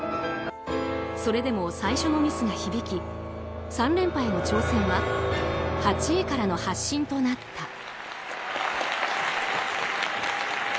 それでも最初のミスが響き３連覇への挑戦は８位からの発進となった。